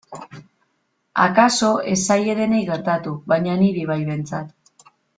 Akaso ez zaie denei gertatu baina niri bai behintzat.